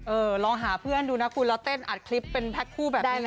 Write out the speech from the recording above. ลองหาเพื่อนดูนะคุณแล้วเต้นอัดคลิปเป็นแพ็คคู่แบบนี้นะ